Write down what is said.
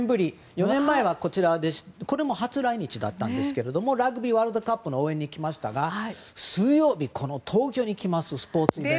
４年前、初来日だったんですがラグビーワールドカップの応援に来ましたが水曜日、東京に来ますスポーツイベントで。